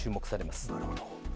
なるほど。